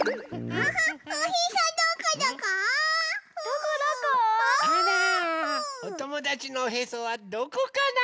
おともだちのおへそはどこかな？